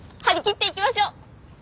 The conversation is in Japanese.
張り切っていきましょう！